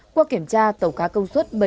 qua kiểm tra tàu cá công suất